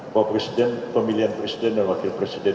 bahwa presiden pemilihan presiden dan wakil presiden